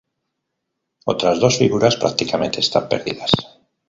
Otras dos figuras prácticamente están perdidas.